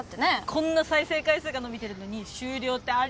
こんな再生回数が伸びてるのに終了ってあり得ねえって。